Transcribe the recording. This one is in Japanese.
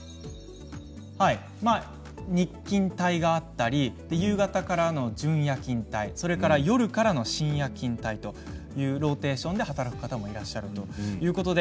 日勤帯があったり、夕方からの準夜勤、夜からの深夜勤というローテーションで働いてる方も、いらっしゃるとそういうことです。